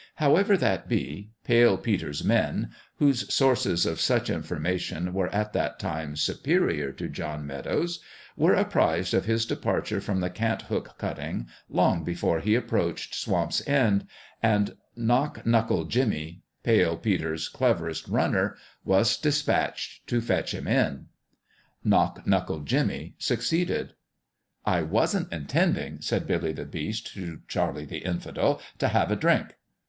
However that be, Pale Peter's men whose sources of such information were at that time superior to John Fairmeadow's were apprised of his departure from the Cant hook cutting long before he approached Swamp's End ; and Knock knuckle Jimmie, Pale Peter's cleverest " runner " was despatched to " fetch him in." Knock knuckle Jimmie succeeded. " I wasn't intendin'," said Billy the Beast to Charlie the Infidel, "f have a drink."